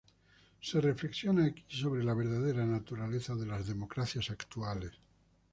Se reflexiona aquí sobre la verdadera naturaleza de las democracias actuales.